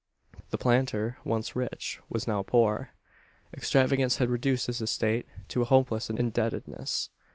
The planter, once rich, was now poor. Extravagance had reduced his estate to a hopeless indebtedness.